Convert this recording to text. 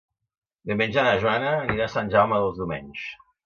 Diumenge na Joana anirà a Sant Jaume dels Domenys.